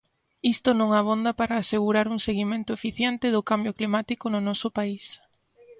Isto non abonda para asegurar un seguimento eficiente do cambio climático no noso país.